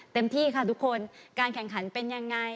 เต็มที่ค่ะทุกคนการแข่งขันเป็นยังไง